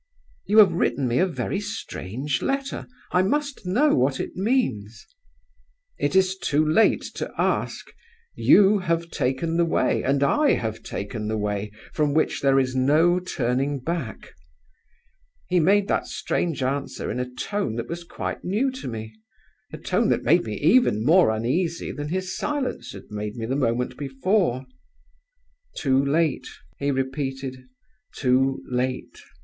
'You have written me a very strange letter. I must know what it means.' "'It is too late to ask. You have taken the way, and I have taken the way, from which there is no turning back.' He made that strange answer in a tone that was quite new to me a tone that made me even more uneasy than his silence had made me the moment before. 'Too late,' he repeated 'too late!